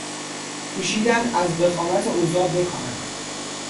کوشیدند از وخامت اوضاع بکاهند.